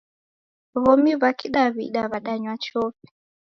W'omi wa kidawida wadanywa chofi